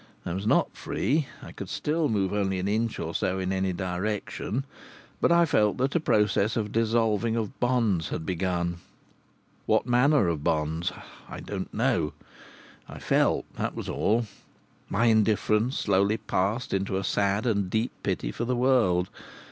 I was not free, I could still move only an inch or so in any direction; but I felt that a process of dissolving of bonds had begun. What manner of bonds? I don't know. I felt that was all. My indifference slowly passed into a sad and deep pity for the world.